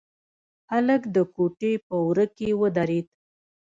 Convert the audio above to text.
هلک د کوټې په وره کې ودرېد.